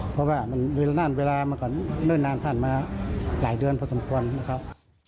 เพราะว่ามันเวลานานเวลามันก็เนิ่นนานท่านมาหลายเดือนพอสมควรนะครับ